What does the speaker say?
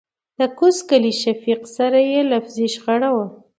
دکوز کلي شفيق سره يې لفظي شخړه وه .